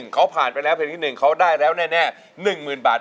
เขาผ่านไปแล้วเพลงที่๑เขาได้แล้วแน่หนึ่งหมื่นบาท